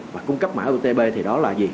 và cung cấp mã otp thì đó là gì